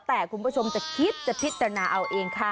แต่คุณผู้ชมจะคิดจะพิจารณาเอาเองค่ะ